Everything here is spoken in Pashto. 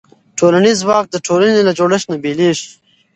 ټولنیز ځواک د ټولنې له جوړښت نه بېلېږي.